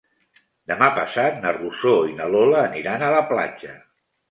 Demà passat na Rosó i na Lola aniran a la platja.